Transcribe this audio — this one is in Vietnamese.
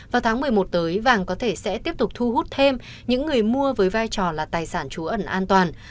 vào tháng một mươi một tới vàng có thể sẽ tiếp tục thu hút thêm những người mua với vai trò là tài sản trú ẩn an toàn